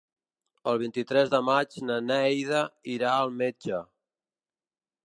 El vint-i-tres de maig na Neida irà al metge.